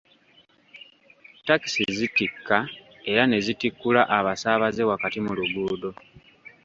Takisi zitikka era ne zitikkula abasaabaze wakati mu luguudo.